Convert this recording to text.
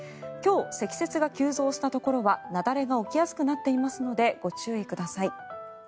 今日、積雪が急増したところは雪崩が起きやすくなっていますのでご注意ください。